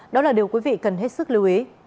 đó là điều quý vị cần hết sức lưu ý